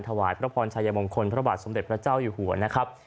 ถวายพระพรชายมงคลพระบาทสมเด็จพระเจ้าอยู่หัวนะครับ